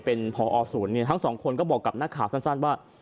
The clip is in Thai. เป็นพอศูนย์เนี่ยทั้งสองคนก็บอกกับนักข่าวสั้นว่า